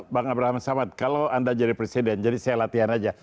bang abraham samad kalau anda jadi presiden jadi saya latihan aja